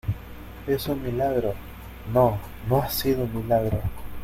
es un milagro. no, no ha sido un milagro